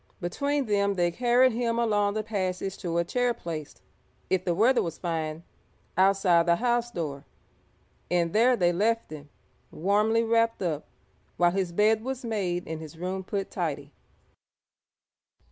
Between them they carried him along the passage to a chair placed, if the weather was fine, outside the house door, and there they left him, warmly wrapped up, while his bed was made and his room put tidy.